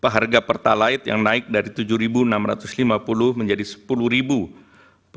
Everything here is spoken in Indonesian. harga pertalite yang naik dari rp tujuh enam ratus lima puluh menjadi rp sepuluh per